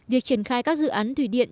việc triển khai các dự án thủy điện